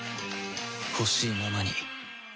ほしいままに